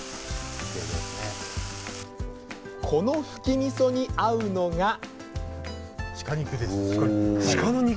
このふきみそに合うのが。